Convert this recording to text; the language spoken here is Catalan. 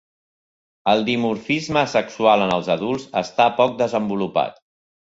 El dimorfisme sexual en els adults està poc desenvolupat.